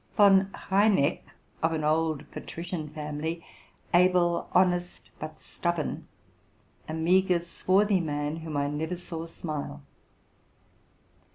Von Reineck, of an old patrician family, able, honest, but stubborn, a meagre, swarthy man, whom I never saw smile.